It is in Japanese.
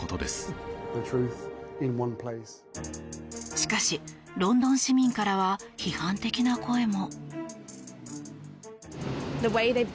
しかし、ロンドン市民からは批判的な声も。